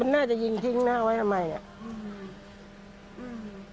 มันน่าจะยิงทิ้งนะเอาไว้ทำไมน่ะ